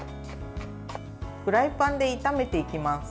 フライパンで炒めていきます。